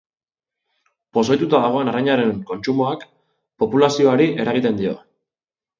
Pozoituta dagoen arrainaren kontsumoak populazioari eragiten dio.